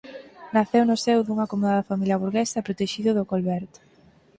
Naceu no seo dunha acomodada familia burguesa e protexido de Colbert.